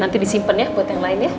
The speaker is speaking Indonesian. nanti disimpan ya buat yang lain ya